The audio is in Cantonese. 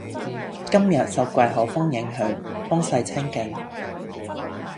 今日受季候風影響，風勢清勁